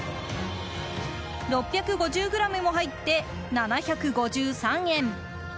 ６５０ｇも入って７５３円。